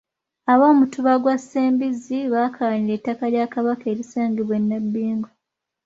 Ab'omutuba gwa Ssembizzi bakaayanira ettaka lya Kabaka erisangibwa e Nabbingo.